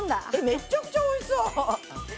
めっちゃくちゃおいしそう。